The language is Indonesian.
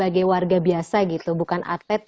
kini ga bisa perhaps